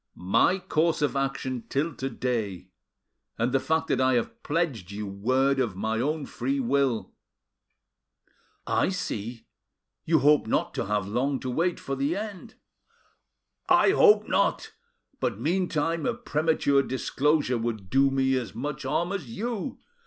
"My course of action till to day, and the fact that I have pledged you my word of my own free will." "I see, you hope not to have long to wait for the end." "I hope not; but meantime a premature disclosure would do me as much harm as you.